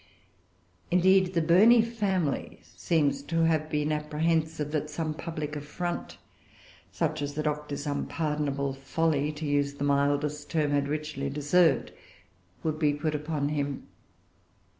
Indeed, the Burney family seem to have been apprehensive that some public affront, such as the Doctor's unpardonable folly, to use the mildest term, had richly deserved, would be put upon him.